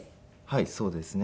はいそうですね。